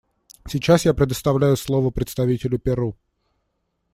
Сейчас я предоставляю слово представителю Перу.